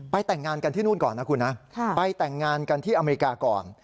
แต่งงานกันที่นู่นก่อนนะคุณนะไปแต่งงานกันที่อเมริกาก่อน